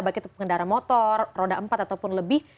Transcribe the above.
baik itu pengendara motor roda empat ataupun lebih